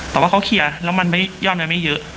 แต่ว่าเขาเคลียร์แล้วมันไม่ยอดมันไม่เยอะ